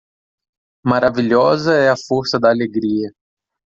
Maravilhosa é a força da alegria.